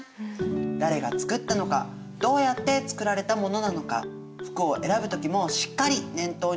誰が作ったのかどうやって作られたものなのか服を選ぶ時もしっかり念頭に置いて